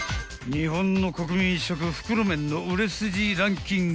［日本の国民食袋麺の売れ筋ランキング］